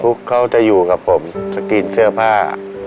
น้องฟุ๊กเขาจะอยู่กับผมสกรีนเสื้อผ้า